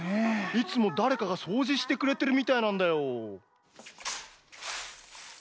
いつもだれかがそうじしてくれてるみたいなんだよ。